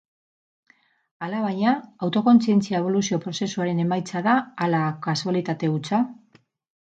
Alabaina, autokontzientzia eboluzio-prozesuaren emaitza da, ala kasualitate hutsa?